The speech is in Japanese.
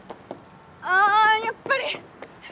あやっぱり！